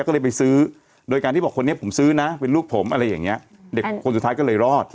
เด็กคนสุดท้ายก็เลยรอด